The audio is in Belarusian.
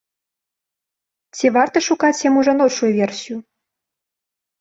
Ці варта шукаць яму жаночую версію?